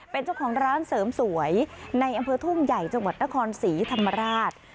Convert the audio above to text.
เป็นเจ้าของร้านเสริมสวยในอำเภอทุ่งใหญ่จังหวัดนครศรีธรรมราช